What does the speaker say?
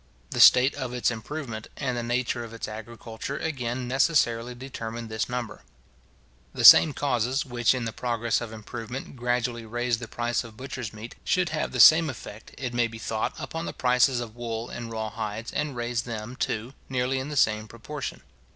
The state of its improvement, and the nature of its agriculture, again necessarily determine this number. The same causes which, in the progress of improvement, gradually raise the price of butcher's meat, should have the same effect, it may be thought, upon the prices of wool and raw hides, and raise them, too, nearly in the same proportion.